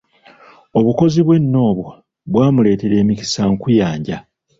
Obukozi bwe nno obwo, bwamuleetera emikisa nkuyanja.